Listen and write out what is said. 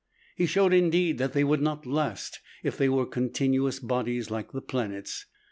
He showed, indeed, that they would not last if they were continuous bodies like the planets.